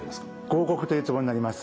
合谷というツボになります。